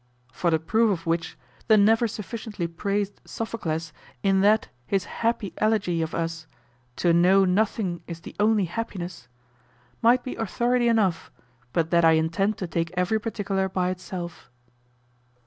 For the proof of which the never sufficiently praised Sophocles in that his happy elegy of us, "To know nothing is the only happiness," might be authority enough, but that I intend to take every particular by itself.